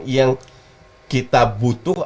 yang kita butuh